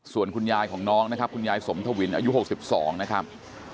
ส่วนคุณยายของน้องนะครับคุณยายสมทวินอายุ๖๒นะครับ